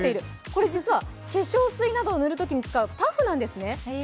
これ実は化粧水などを塗るときに使うパフなんですね。